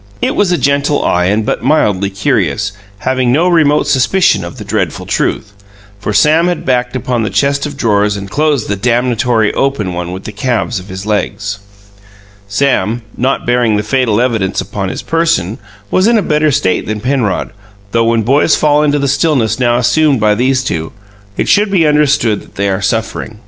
It was a gentle eye and but mildly curious, having no remote suspicion of the dreadful truth, for Sam had backed upon the chest of drawers and closed the damnatory open one with the calves of his legs. Sam, not bearing the fatal evidence upon his person, was in a better state than Penrod, though when boys fall into the stillness now assumed by these two, it should be understood that they are suffering.